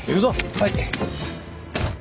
はい！